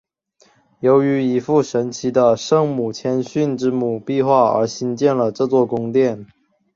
由于一幅神奇的圣母谦逊之母壁画而兴建了这座圣殿。